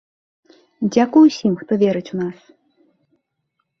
Дзякуй усім хто верыць у нас!